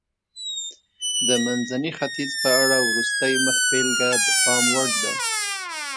د منځني ختیځ په اړه وروستۍ مخبېلګه د پام وړ ده.